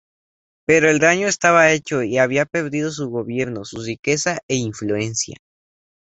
Pero el daño estaba hecho, y había perdido su gobierno, su riqueza e influencia.